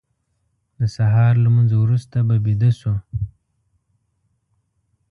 د سهار لمونځ وروسته به ویده شو.